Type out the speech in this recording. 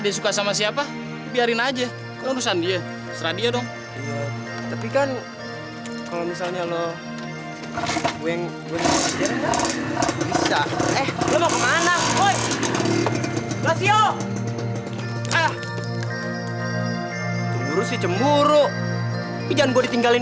dia suka sama siapa biarin aja kalau urusan dia serah dia dong tapi kan kalau misalnya lo